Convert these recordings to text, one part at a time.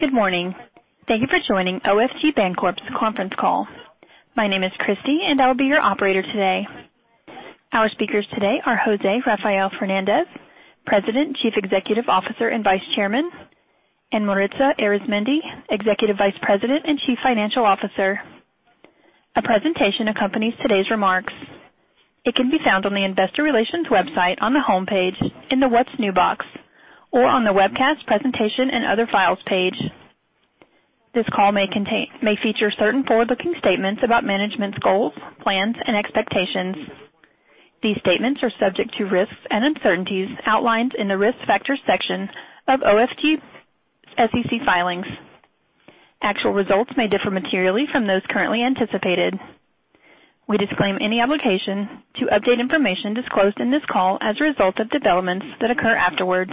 Good morning. Thank you for joining OFG Bancorp's conference call. My name is Christy and I will be your operator today. Our speakers today are José Rafael Fernández, President, Chief Executive Officer, and Vice Chairman, and Maritza Arizmendi, Executive Vice President and Chief Financial Officer. A presentation accompanies today's remarks. It can be found on the investor relations website on the homepage in the What's New box, or on the Webcast Presentation and Other Files page. This call may feature certain forward-looking statements about management's goals, plans, and expectations. These statements are subject to risks and uncertainties outlined in the Risk Factors section of OFG's SEC filings. Actual results may differ materially from those currently anticipated. We disclaim any obligation to update information disclosed in this call as a result of developments that occur afterwards.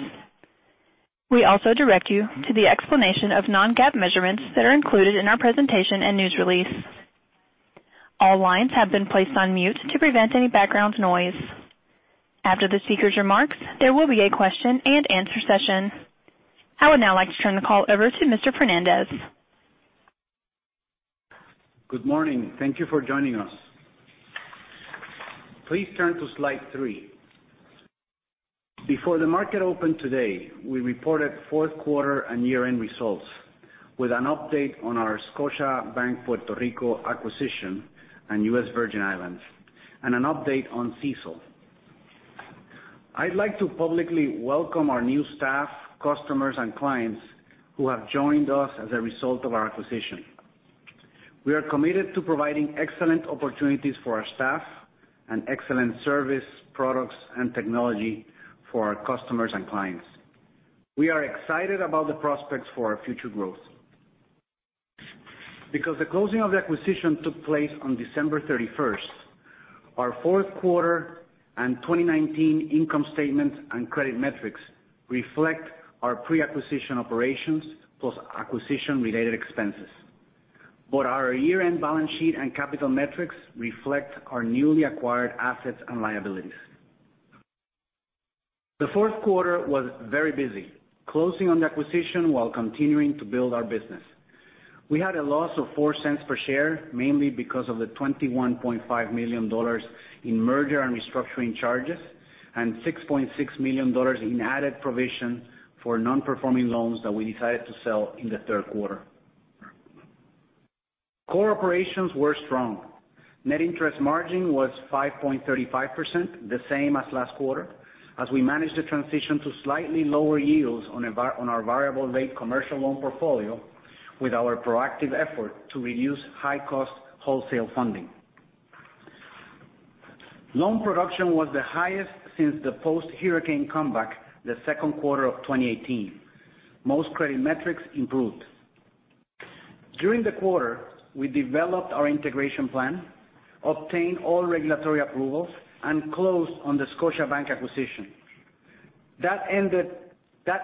We also direct you to the explanation of non-GAAP measurements that are included in our presentation and news release. All lines have been placed on mute to prevent any background noise. After the speaker's remarks, there will be a question-and-answer session. I would now like to turn the call over to Mr. Fernández. Good morning. Thank you for joining us. Please turn to slide three. Before the market opened today, we reported fourth quarter and year-end results with an update on our Scotiabank Puerto Rico acquisition and U.S. Virgin Islands, and an update on CECL. I'd like to publicly welcome our new staff, customers, and clients who have joined us as a result of our acquisition. We are committed to providing excellent opportunities for our staff and excellent service, products, and technology for our customers and clients. We are excited about the prospects for our future growth. Because the closing of the acquisition took place on December 31, our fourth quarter and 2019 income statements and credit metrics reflect our pre-acquisition operations plus acquisition-related expenses. Our year-end balance sheet and capital metrics reflect our newly acquired assets and liabilities. The fourth quarter was very busy closing on the acquisition while continuing to build our business. We had a loss of $0.04 per share, mainly because of the $21.5 million in merger and restructuring charges and $6.6 million in added provision for non-performing loans that we decided to sell in the third quarter. Core operations were strong. Net interest margin was 5.35%, the same as last quarter, as we managed to transition to slightly lower yields on our variable rate commercial loan portfolio with our proactive effort to reduce high-cost wholesale funding. Loan production was the highest since the post-hurricane comeback the second quarter of 2018. Most credit metrics improved. During the quarter, we developed our integration plan, obtained all regulatory approvals, and closed on the Scotiabank acquisition. That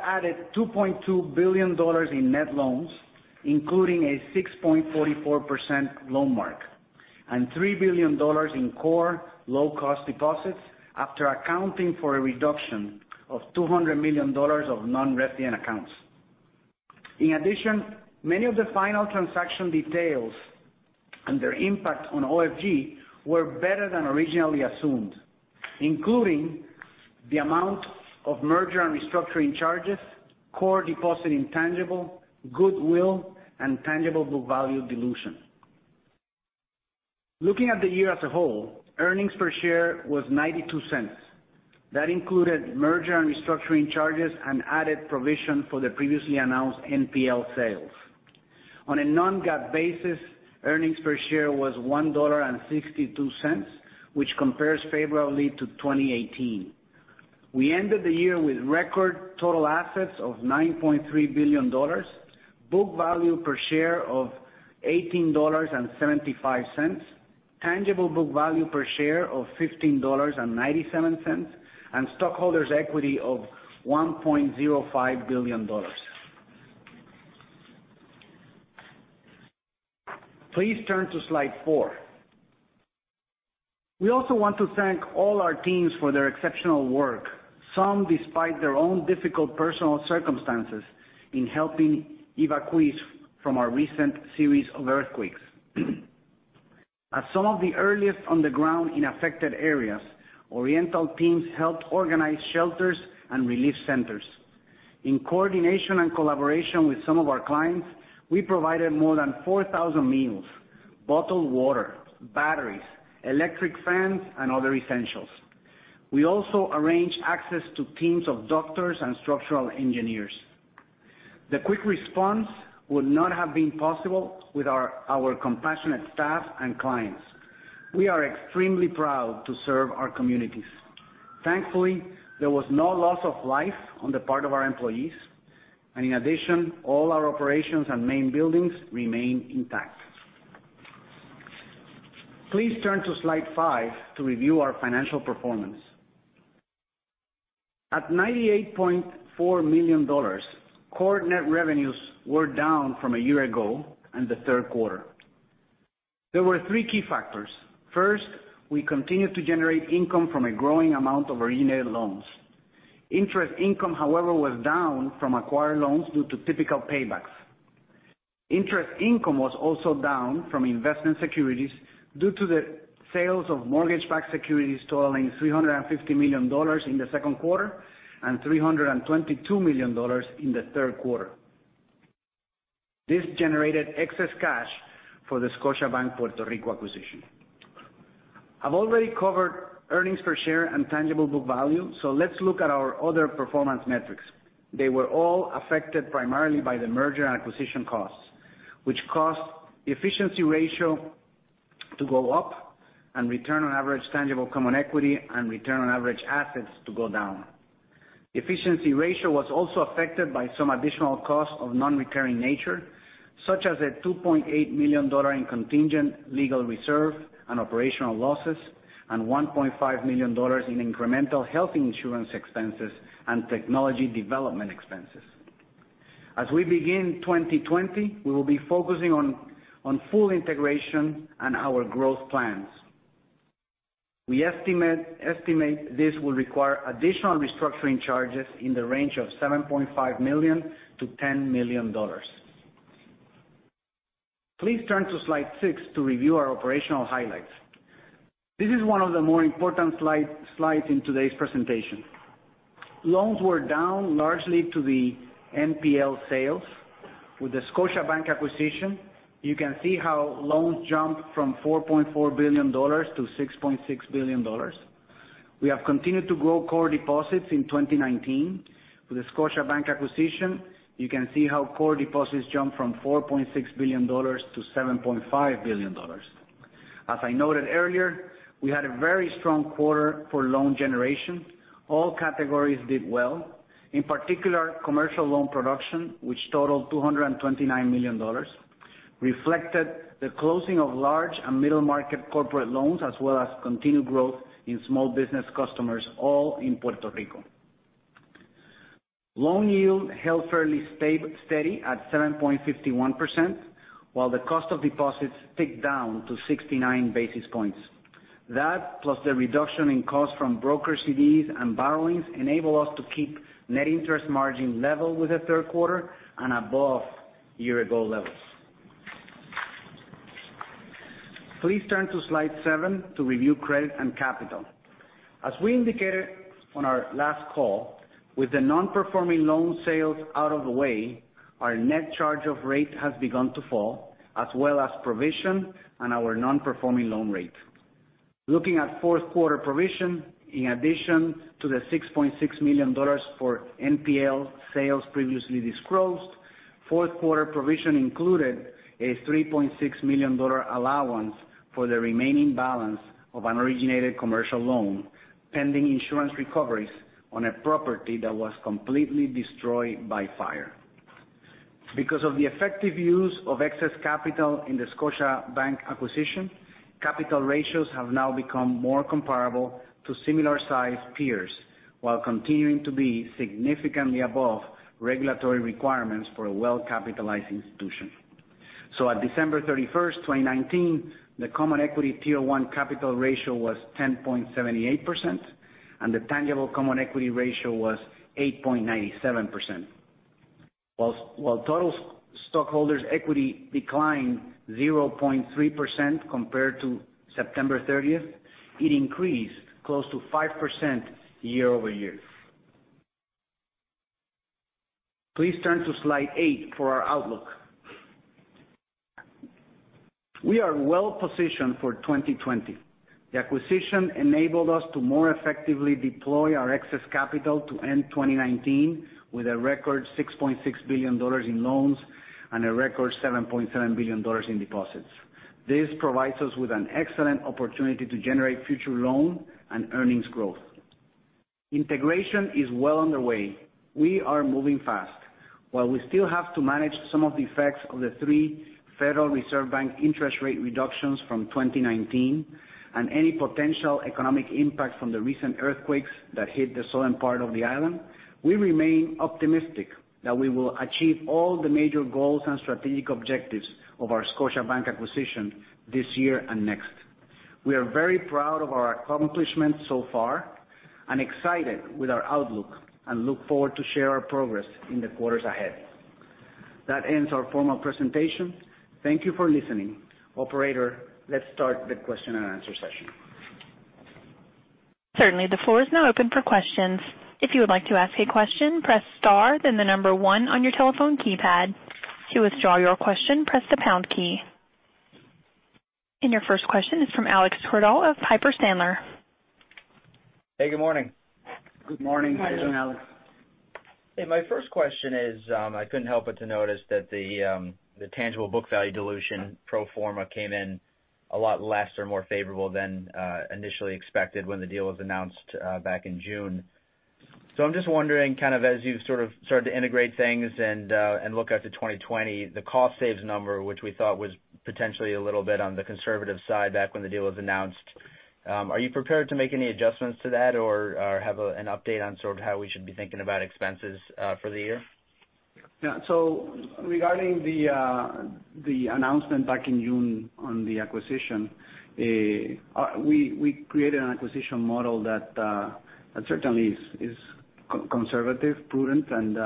added $2.2 billion in net loans, including a 6.44% loan mark and $3 billion in core low-cost deposits after accounting for a reduction of $200 million of non-reprice accounts. In addition, many of the final transaction details and their impact on OFG were better than originally assumed, including the amount of merger and restructuring charges, core deposit intangible, goodwill, and tangible book value dilution. Looking at the year as a whole, earnings per share was $0.92. That included merger and restructuring charges and added provision for the previously announced NPL sales. On a non-GAAP basis, earnings per share was $1.62, which compares favorably to 2018. We ended the year with record total assets of $9.3 billion, book value per share of $18.75, tangible book value per share of $15.97, and stockholders' equity of $1.05 billion. Please turn to slide four. We also want to thank all our teams for their exceptional work, some despite their own difficult personal circumstances in helping evacuees from our recent series of earthquakes. As some of the earliest on the ground in affected areas, Oriental teams helped organize shelters and relief centers. In coordination and collaboration with some of our clients, we provided more than 4,000 meals, bottled water, batteries, electric fans, and other essentials. We also arranged access to teams of doctors and structural engineers. The quick response would not have been possible without our compassionate staff and clients. We are extremely proud to serve our communities. Thankfully, there was no loss of life on the part of our employees. In addition, all our operations and main buildings remain intact. Please turn to slide five to review our financial performance. At $98.4 million, core net revenues were down from a year ago and the third quarter. There were three key factors. First, we continued to generate income from a growing amount of originated loans. Interest income, however, was down from acquired loans due to typical paybacks. Interest income was also down from investment securities due to the sales of mortgage-backed securities totaling $350 million in the second quarter and $322 million in the third quarter. This generated excess cash for the Scotiabank Puerto Rico acquisition. I've already covered earnings per share and tangible book value, so let's look at our other performance metrics. They were all affected primarily by the merger and acquisition costs, which caused the efficiency ratio to go up and return on average tangible common equity and return on average assets to go down. Efficiency ratio was also affected by some additional costs of non-recurring nature, such as a $2.8 million in contingent legal reserve and operational losses, and $1.5 million in incremental health insurance expenses and technology development expenses. As we begin 2020, we will be focusing on full integration and our growth plans. We estimate this will require additional restructuring charges in the range of $7.5 million-$10 million. Please turn to slide six to review our operational highlights. This is one of the more important slides in today's presentation. Loans were down largely to the NPL sales. With the Scotiabank acquisition, you can see how loans jumped from $4.4 billion to $6.6 billion. We have continued to grow core deposits in 2019. With the Scotiabank acquisition, you can see how core deposits jumped from $4.6 billion to $7.5 billion. As I noted earlier, we had a very strong quarter for loan generation. All categories did well. In particular, commercial loan production, which totaled $229 million, reflected the closing of large and middle-market corporate loans, as well as continued growth in small business customers, all in Puerto Rico. Loan yield held fairly steady at 7.51%, while the cost of deposits ticked down to 69 basis points. That, plus the reduction in cost from broker CDs and borrowings, enable us to keep net interest margin level with the third quarter and above year-ago levels. Please turn to slide seven to review credit and capital. As we indicated on our last call, with the non-performing loan sales out of the way, our net charge-off rate has begun to fall, as well as provision and our non-performing loan rate. Looking at fourth quarter provision, in addition to the $6.6 million for NPL sales previously disclosed, fourth quarter provision included a $3.6 million allowance for the remaining balance of an originated commercial loan, pending insurance recoveries on a property that was completely destroyed by fire. Because of the effective use of excess capital in the Scotiabank acquisition, capital ratios have now become more comparable to similar-sized peers while continuing to be significantly above regulatory requirements for a well-capitalized institution. At December 31, 2019, the Common Equity Tier 1 capital ratio was 10.78%, and the tangible common equity ratio was 8.97%. While total stockholders' equity declined 0.3% compared to September 30, it increased close to 5% year-over-year. Please turn to slide eight for our outlook. We are well-positioned for 2020. The acquisition enabled us to more effectively deploy our excess capital to end 2019 with a record $6.6 billion in loans and a record $7.7 billion in deposits. This provides us with an excellent opportunity to generate future loan and earnings growth. Integration is well underway. We are moving fast. While we still have to manage some of the effects of the three Federal Reserve Bank interest rate reductions from 2019 and any potential economic impact from the recent earthquakes that hit the southern part of the island, we remain optimistic that we will achieve all the major goals and strategic objectives of our Scotiabank acquisition this year and next. We are very proud of our accomplishments so far and excited with our outlook and look forward to share our progress in the quarters ahead. That ends our formal presentation. Thank you for listening. Operator, let's start the question and answer session. Certainly. The floor is now open for questions. If you would like to ask a question, press star, then the number one on your telephone keypad. To withdraw your question, press the pound key. Your first question is from Alex Twerdahl of Piper Sandler. Hey, good morning. Good morning, Alex. Good morning. Hey, my first question is, I couldn't help but to notice that the tangible book value dilution pro forma came in a lot less or more favorable than initially expected when the deal was announced back in June. I'm just wondering, as you've started to integrate things and look out to 2020, the cost saves number, which we thought was potentially a little bit on the conservative side back when the deal was announced, are you prepared to make any adjustments to that or have an update on how we should be thinking about expenses for the year? Yeah. Regarding the announcement back in June on the acquisition, we created an acquisition model that certainly is conservative, prudent, and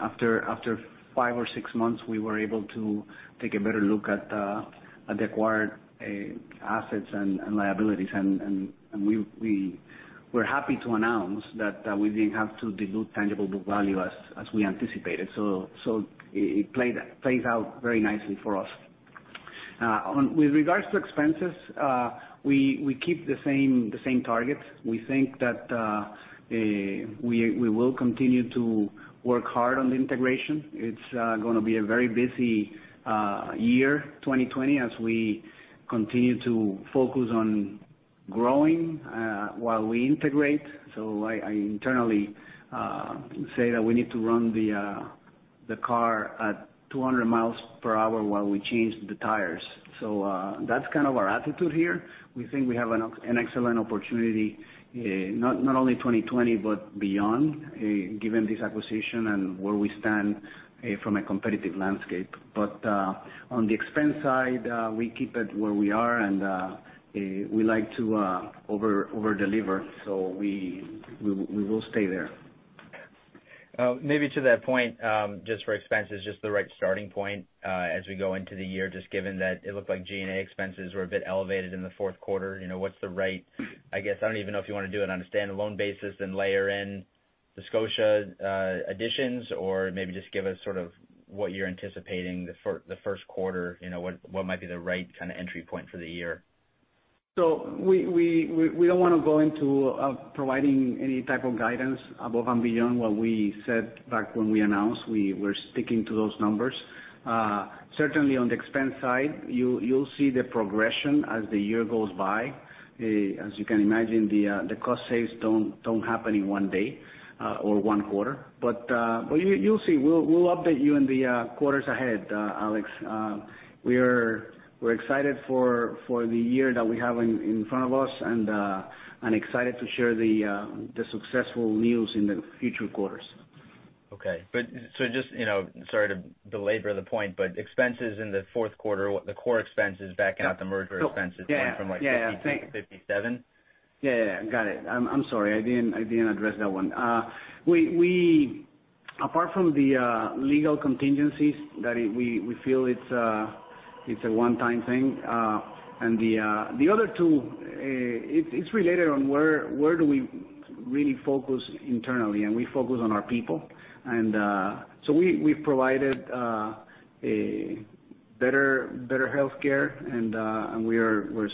after five or six months, we were able to take a better look at the acquired assets and liabilities. We're happy to announce that we didn't have to dilute tangible book value as we anticipated. It played out very nicely for us. With regards to expenses, we keep the same targets. We think that we will continue to work hard on the integration. It's going to be a very busy year, 2020, as we continue to focus on growing while we integrate. I internally say that we need to run the car at 200 mi per hour while we change the tires. That's kind of our attitude here. We think we have an excellent opportunity, not only in 2020, but beyond, given this acquisition and where we stand from a competitive landscape. On the expense side, we keep it where we are, and we like to over-deliver. We will stay there. Maybe to that point, just for expenses, just the right starting point as we go into the year, just given that it looked like G&A expenses were a bit elevated in the fourth quarter. I guess I don't even know if you want to do it on a stand-alone basis and layer in the Scotia additions, or maybe just give us sort of what you're anticipating the first quarter, what might be the right kind of entry point for the year? We don't want to go into providing any type of guidance above and beyond what we said back when we announced. We're sticking to those numbers. Certainly on the expense side, you'll see the progression as the year goes by. As you can imagine, the cost saves don't happen in one day or one quarter. You'll see. We'll update you in the quarters ahead, Alex. We're excited for the year that we have in front of us and excited to share the successful news in the future quarters. Okay. Sorry to belabor the point, expenses in the fourth quarter, the core expenses backing out the merger expenses went from like $50 to $57. Yeah. Got it. I'm sorry. I didn't address that one. Apart from the legal contingencies that we feel it's a one-time thing. The other two, it's related on where do we really focus internally, and we focus on our people. We've provided better healthcare, and we're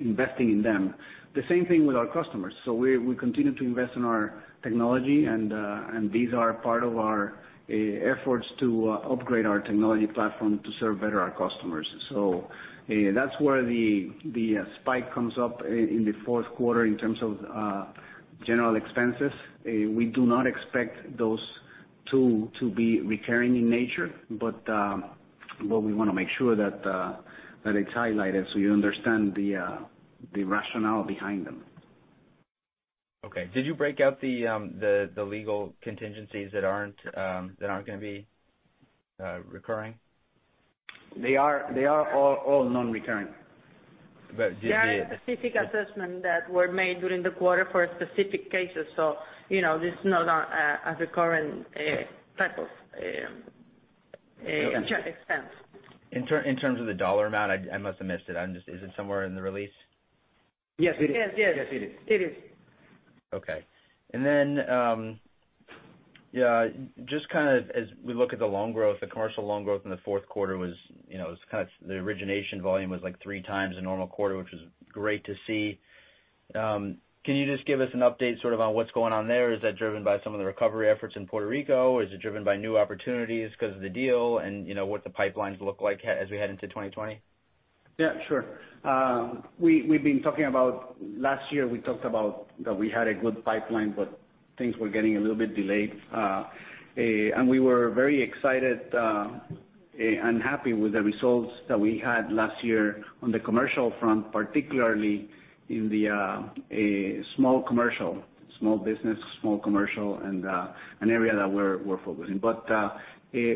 investing in them. The same thing with our customers. We continue to invest in our technology, and these are part of our efforts to upgrade our technology platform to serve better our customers. That's where the spike comes up in the fourth quarter in terms of general expenses. We do not expect those two to be recurring in nature. We want to make sure that it's highlighted so you understand the rationale behind them. Okay. Did you break out the legal contingencies that aren't going to be recurring? They are all non-recurring. But just the- They are a specific assessment that were made during the quarter for specific cases. This is not a recurring type of expense. In terms of the dollar amount, I must have missed it. Is it somewhere in the release? Yes, it is. Yes. Yes, it is. It is. Okay. Just kind of as we look at the loan growth, the commercial loan growth in the fourth quarter was kind of the origination volume was like three times the normal quarter, which was great to see. Can you just give us an update sort of on what's going on there? Is that driven by some of the recovery efforts in Puerto Rico? Is it driven by new opportunities because of the deal and what the pipelines look like as we head into 2020? Yeah, sure. Last year we talked about that we had a good pipeline, but things were getting a little bit delayed. We were very excited and happy with the results that we had last year on the commercial front, particularly in the small commercial, small business, small commercial, and an area that we're focusing.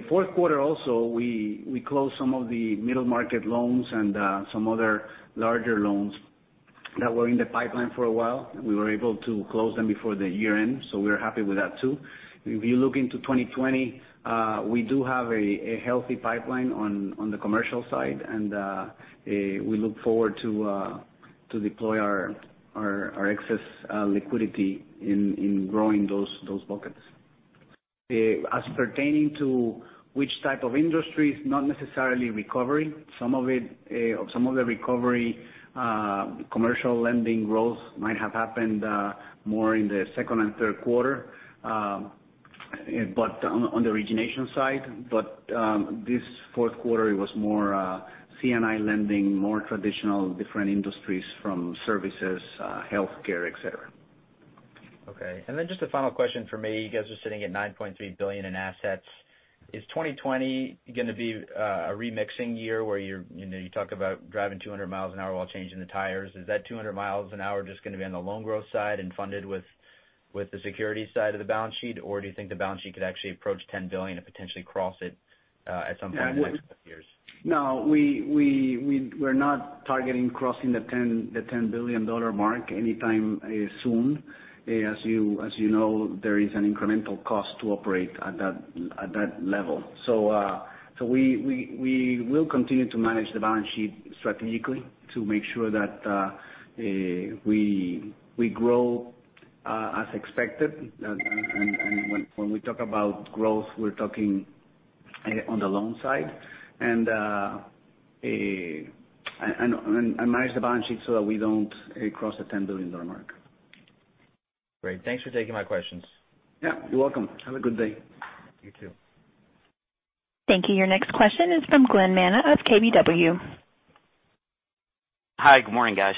Fourth quarter also, we closed some of the middle-market loans and some other larger loans that were in the pipeline for a while, and we were able to close them before the year-end. We're happy with that too. If you look into 2020, we do have a healthy pipeline on the commercial side, and we look forward to deploy our excess liquidity in growing those buckets. As pertaining to which type of industries, not necessarily recovery. Some of the recovery commercial lending growth might have happened more in the second and third quarter on the origination side. This fourth quarter, it was more C&I lending, more traditional, different industries from services, healthcare, et cetera. Okay. Just a final question from me. You guys are sitting at $9.3 billion in assets. Is 2020 going to be a remixing year where you talk about driving 200 mi an hour while changing the tires? Is that 200 mi an hour just going to be on the loan growth side and funded with the security side of the balance sheet? Do you think the balance sheet could actually approach $10 billion and potentially cross it at some point in the next few years? We're not targeting crossing the $10 billion mark anytime soon. As you know, there is an incremental cost to operate at that level. We will continue to manage the balance sheet strategically to make sure that we grow as expected. When we talk about growth, we're talking on the loan side. Manage the balance sheet so that we don't cross the $10 billion mark. Great. Thanks for taking my questions. Yeah. You're welcome. Have a good day. You too. Thank you. Your next question is from Glen Manna of KBW. Hi. Good morning, guys.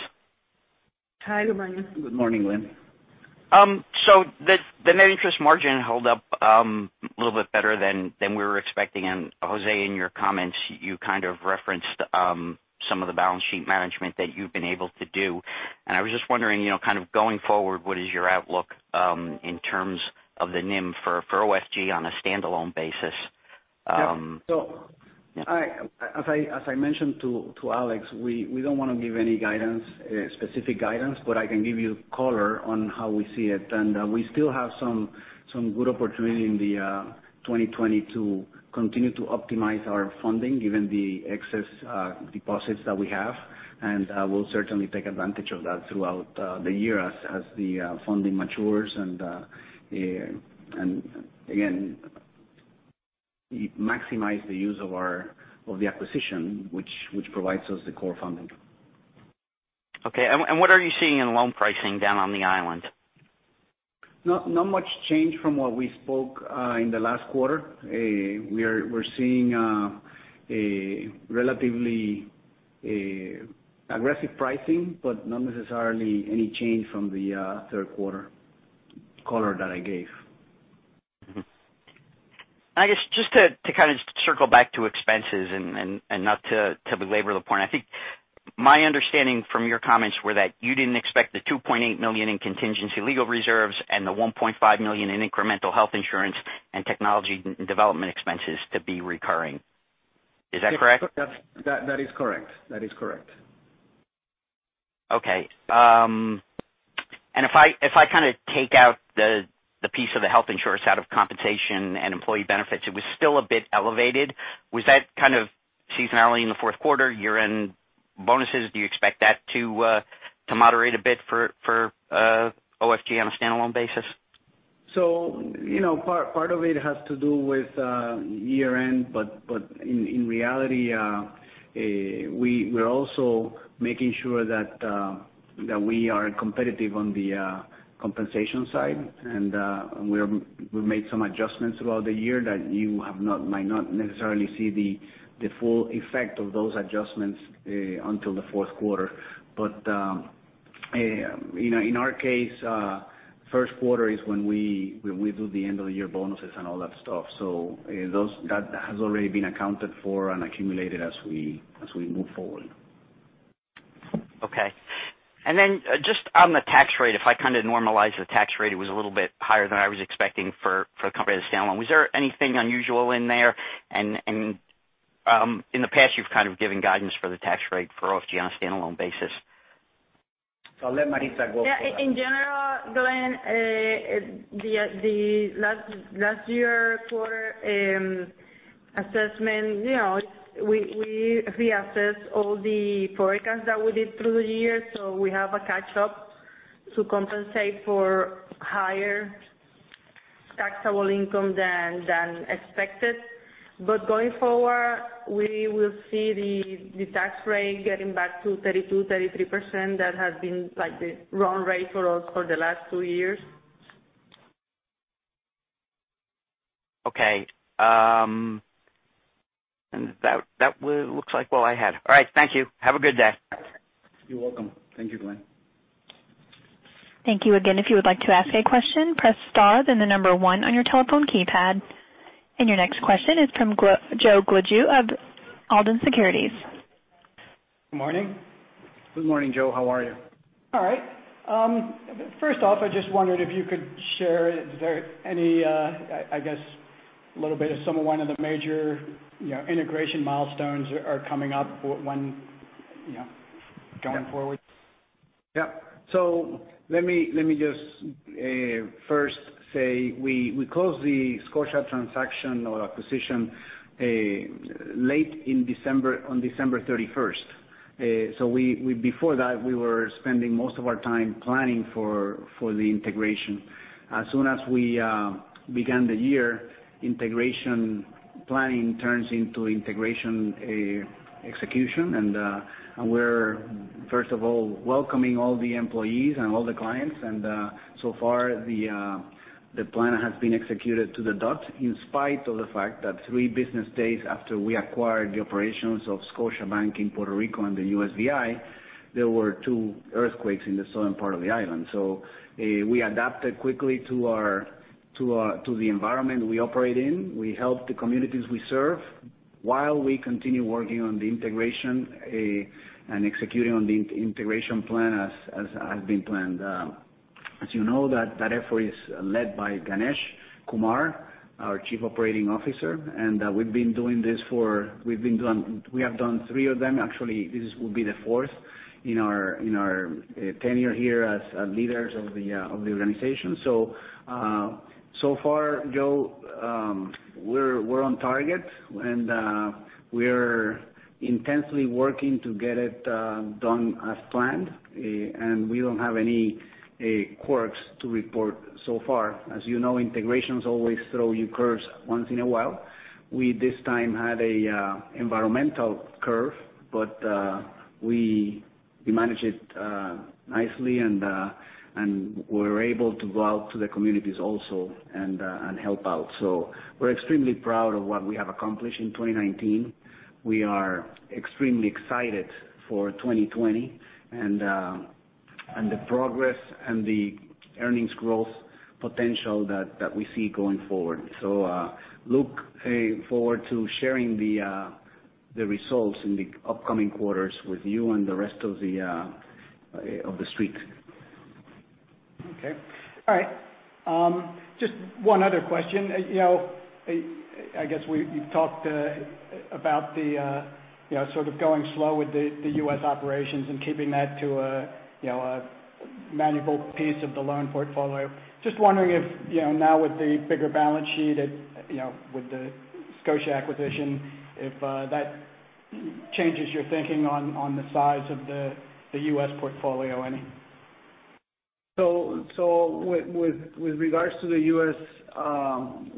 Hi. Good morning. Good morning, Glen. The net interest margin held up a little bit better than we were expecting. José, in your comments, you kind of referenced some of the balance sheet management that you've been able to do. I was just wondering, kind of going forward, what is your outlook in terms of the NIM for OFG on a standalone basis? As I mentioned to Alex, we don't want to give any specific guidance, but I can give you color on how we see it. We still have some good opportunity in the 2020 to continue to optimize our funding given the excess deposits that we have. We'll certainly take advantage of that throughout the year as the funding matures. Again, maximize the use of the acquisition, which provides us the core funding. Okay. What are you seeing in loan pricing down on the island? Not much change from what we spoke in the last quarter. We're seeing a relatively aggressive pricing, but not necessarily any change from the third quarter color that I gave. I guess just to kind of circle back to expenses and not to belabor the point. I think my understanding from your comments were that you didn't expect the $2.8 million in contingency legal reserves and the $1.5 million in incremental health insurance and technology development expenses to be recurring. Is that correct? That is correct. Okay. If I kind of take out the piece of the health insurance out of compensation and employee benefits, it was still a bit elevated. Was that kind of seasonality in the fourth quarter, year-end bonuses? Do you expect that to moderate a bit for OFG on a standalone basis? Part of it has to do with year-end, but in reality, we're also making sure that we are competitive on the compensation side. We've made some adjustments throughout the year that you might not necessarily see the full effect of those adjustments until the fourth quarter. In our case, first quarter is when we do the end of the year bonuses and all that stuff. That has already been accounted for and accumulated as we move forward. Okay. Then just on the tax rate, if I kind of normalize the tax rate, it was a little bit higher than I was expecting for a company that standalone. Was there anything unusual in there? In the past you've kind of given guidance for the tax rate for OFG on a standalone basis. I'll let Maritza go for that. In general, Glen, the last year quarter assessment, we reassess all the forecasts that we did through the year. We have a catch up to compensate for higher taxable income than expected. Going forward, we will see the tax rate getting back to 32%, 33%. That has been like the run rate for us for the last two years. Okay. That looks like all I had. All right. Thank you. Have a good day. You're welcome. Thank you, Glen. Thank you again. If you would like to ask a question, press star, then the number one on your telephone keypad. Your next question is from Joe Gladue of Alden Investment Group. Good morning. Good morning, Joe. How are you? All right. First off, I just wondered if you could share, is there any the major integration milestones are coming up when going forward? Yeah. Let me just first say we closed the Scotiabank transaction or acquisition late in December on December 31. Before that, we were spending most of our time planning for the integration. As soon as we began the year, integration planning turns into integration execution. We're, first of all, welcoming all the employees and all the clients. So far the plan has been executed to the dot in spite of the fact that three business days after we acquired the operations of Scotiabank in Puerto Rico and the USVI, there were two earthquakes in the southern part of the island. We adapted quickly to the environment we operate in. We helped the communities we serve. While we continue working on the integration and executing on the integration plan as has been planned. As you know, that effort is led by Ganesh Kumar, our Chief Operating Officer. We have done three of them. Actually, this will be the fourth in our tenure here as leaders of the organization. So far, Joe, we're on target, and we're intensely working to get it done as planned. We don't have any quirks to report so far. As you know, integrations always throw you curves once in a while. We, this time, had a environmental curve. We managed it nicely, and we were able to go out to the communities also and help out. We're extremely proud of what we have accomplished in 2019. We are extremely excited for 2020 and the progress and the earnings growth potential that we see going forward. Look forward to sharing the results in the upcoming quarters with you and the rest of the street. Okay. All right. Just one other question. I guess we've talked about the sort of going slow with the U.S. operations and keeping that to a manageable piece of the loan portfolio. Just wondering if, now with the bigger balance sheet, with the Scotiabank acquisition, if that changes your thinking on the size of the U.S. portfolio any? With regards to the U.S.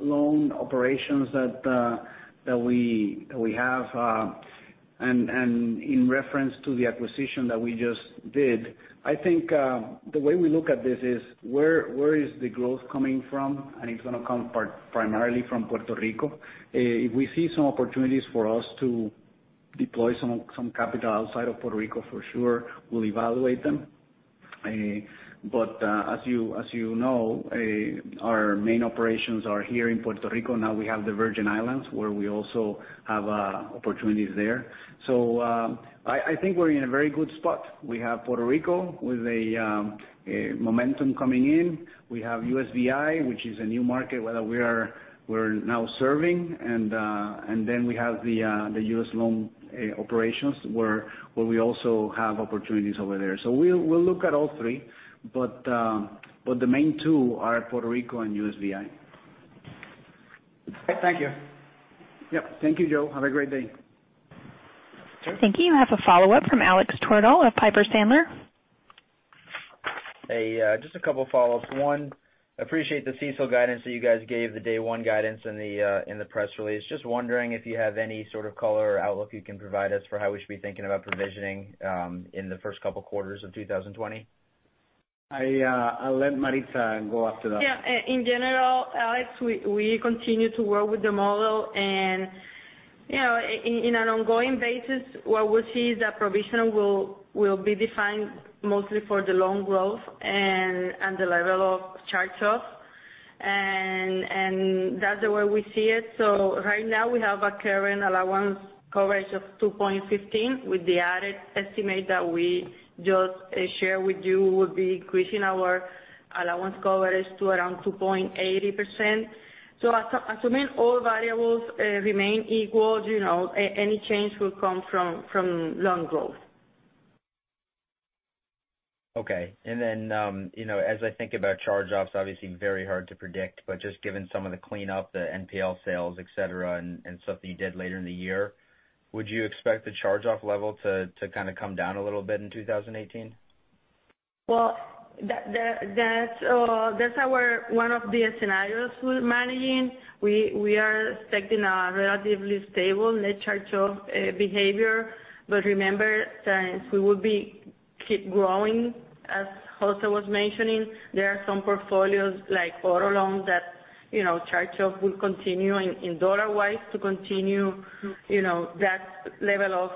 loan operations that we have and in reference to the acquisition that we just did, I think the way we look at this is where is the growth coming from, and it's going to come primarily from Puerto Rico. If we see some opportunities for us to deploy some capital outside of Puerto Rico, for sure, we'll evaluate them. As you know, our main operations are here in Puerto Rico. Now we have the Virgin Islands, where we also have opportunities there. I think we're in a very good spot. We have Puerto Rico with a momentum coming in. We have USVI, which is a new market where we are now serving. Then we have the U.S. loan operations where we also have opportunities over there. We'll look at all three, but the main two are Puerto Rico and USVI. Okay. Thank you. Yep. Thank you, Joe. Have a great day. Thank you. You have a follow-up from Alex Twerdahl of Piper Sandler. Just a couple follow-ups. One, appreciate the CECL guidance that you guys gave, the day one guidance in the press release. Just wondering if you have any sort of color or outlook you can provide us for how we should be thinking about provisioning in the first couple quarters of 2020. I'll let Maritza go after that. Yeah. In general, Alex, we continue to work with the model. In an ongoing basis, what we see is that provision will be defined mostly for the loan growth and the level of charge-off. That's the way we see it. Right now, we have a current allowance coverage of 2.15%. With the added estimate that we just shared with you, we'll be increasing our allowance coverage to around 2.80%. Assuming all variables remain equal, any change will come from loan growth. Okay. As I think about charge-offs, obviously very hard to predict, but just given some of the cleanup, the NPL sales, et cetera, and stuff that you did later in the year, would you expect the charge-off level to kind of come down a little bit in 2018? That's our one of the scenarios we're managing. We are expecting a relatively stable net charge-off behavior. Remember, since we will be keep growing, as José was mentioning, there are some portfolios like auto loans that charge-off will continue in dollar-wise to continue that level of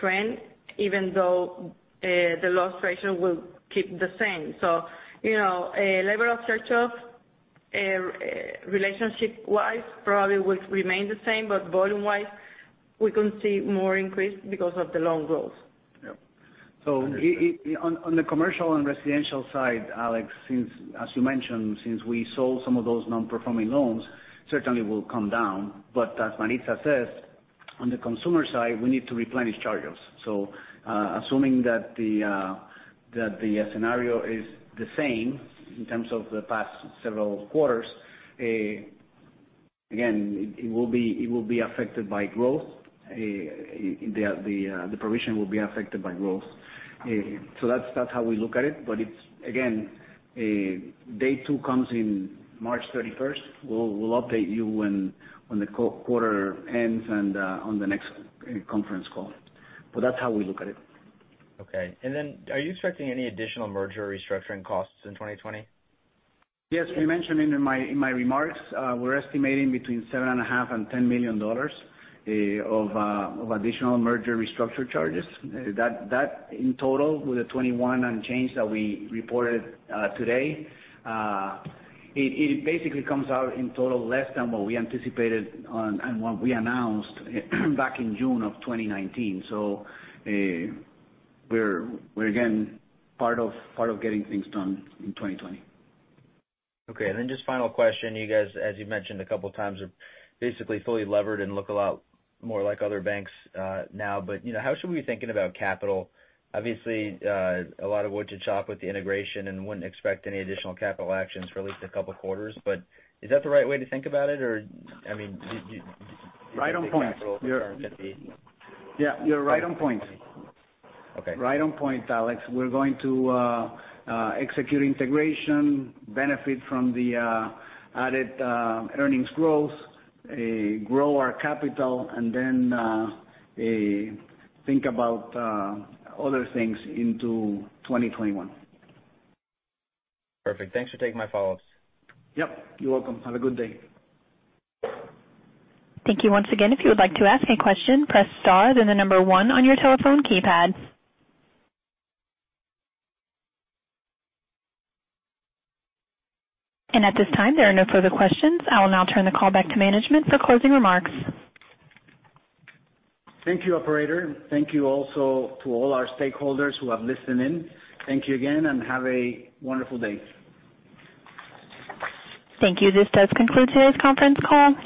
trend, even though the loss ratio will keep the same. A level of charge-off relationship-wise probably will remain the same. Volume-wise, we can see more increase because of the loan growth. Yep. Understood On the commercial and residential side, Alex, since as you mentioned, since we sold some of those non-performing loans, certainly will come down. As Maritza says, on the consumer side, we need to replenish charge-offs. Assuming that the scenario is the same in terms of the past several quarters, again, it will be affected by growth. The provision will be affected by growth. That's how we look at it. It's, again, day two comes in March 31. We'll update you when the quarter ends and on the next conference call. That's how we look at it. Okay. Are you expecting any additional merger restructuring costs in 2020? Yes. We mentioned in my remarks we're estimating between $7.5 million and $10 million of additional merger restructure charges. That in total with the $21 and change that we reported today, it basically comes out in total less than what we anticipated and what we announced back in June of 2019. We're again part of getting things done in 2020. Okay. Just final question. You guys, as you mentioned a couple times, are basically fully levered and look a lot more like other banks now. How should we be thinking about capital? Obviously, a lot of wood to chop with the integration and wouldn't expect any additional capital actions for at least a couple quarters. Is that the right way to think about it? Right on point. Yeah, you're right on point. Okay. Right on point, Alex. We're going to execute integration, benefit from the added earnings growth, grow our capital, and then think about other things into 2021. Perfect. Thanks for taking my follow-ups. Yep. You're welcome. Have a good day. Thank you once again. If you would like to ask a question, press star, then the number one on your telephone keypad. At this time, there are no further questions. I will now turn the call back to management for closing remarks. Thank you, operator. Thank you also to all our stakeholders who have listened in. Thank you again, and have a wonderful day. Thank you. This does conclude today's conference call.